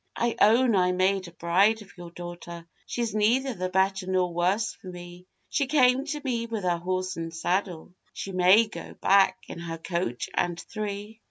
'I own I made a bride of your daughter, She's neither the better nor worse for me; She came to me with her horse and saddle, She may go back in her coach and three.